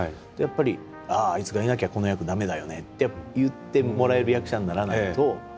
やっぱりあいつがいなきゃこの役ダメだよねって言ってもらえる役者にならないと。